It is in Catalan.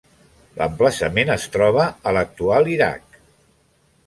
L'emplaçament es troba a l'actual Iraq.